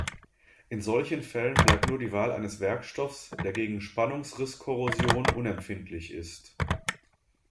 In solchen Fällen bleibt nur die Wahl eines Werkstoffs, der gegen Spannungsrisskorrosion unempfindlich ist.